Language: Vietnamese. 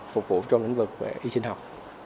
phục vụ trong lĩnh vực về y sinh học